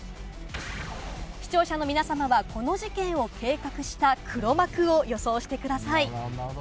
視聴者の皆様は、この事件を計画した黒幕を予想してください。